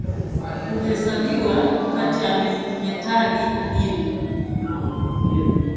Huhesabiwa kati ya metali adimu.